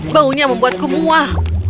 baunya membuatku muah